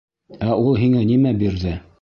Әул һиңә нимә бирҙе?